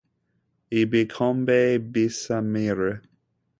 ibikombe bisamire